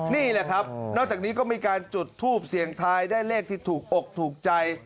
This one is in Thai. นี่แหละครับนอกจากนี้ก็มีการจุดทูปเสียงทายได้เลขที่ถูกอกถูกใจ